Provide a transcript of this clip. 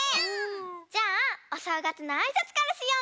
じゃあおしょうがつのあいさつからしようか。